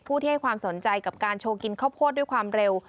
ที่ให้ความสนใจกับการโชว์กินข้าวโพดด้วยความเร็ว